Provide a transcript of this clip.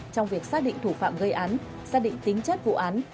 trong việc xác định thủ phạm gây án xác định tính chất vụ án